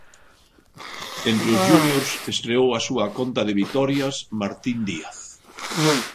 Entre os juniors, estreou a súa conta de vitorias Martín Díaz.